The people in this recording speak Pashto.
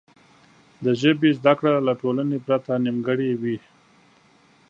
د ژبې زده کړه له ټولنې پرته نیمګړې وي.